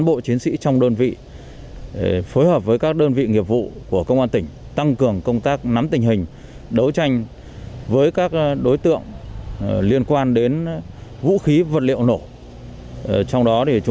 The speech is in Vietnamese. mở rộng điều tra cơ quan an ninh điều tra công an tỉnh yên bái bắt giữ đối tượng lăng đức hân